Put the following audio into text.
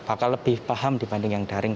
bakal lebih paham dibanding yang daring